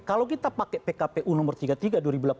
kalau kita pakai pkpu nomor tiga puluh tiga